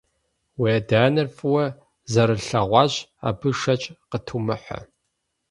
Уи адэ-анэр фӀыуэ зэрылъэгъуащ, абы шэч къытумыхьэ.